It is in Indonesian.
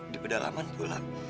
di pedalaman pulang